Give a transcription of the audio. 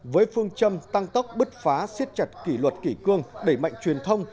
với phương châm tăng tốc bứt phá siết chặt kỷ luật kỷ cương đẩy mạnh truyền thông